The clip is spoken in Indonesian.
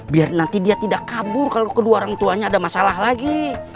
biar nanti dia tidak kabur kalau kedua orang tuanya ada masalah lagi